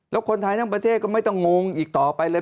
แล้วคนไทยทั้งประเทศก็ไม่ต้องงงอีกต่อไปเลย